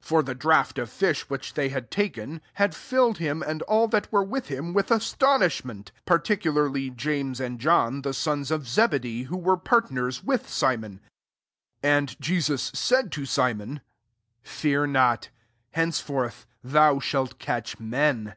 9 For the draught of fish which they had taken, had filled him and all that were with him, with astonishment ; 10 particu larly James and John, the sons of Zebedee) who were partners with Simon. And Jesus said to Simon " Fear not ; henceforth thou shalt catch men."